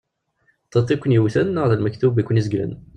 D tiṭ iken-yewten neɣ d lmektub i aken-izeglen.